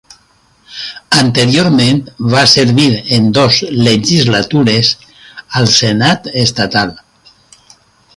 Anteriorment va servir en dos legislatures al Senat estatal.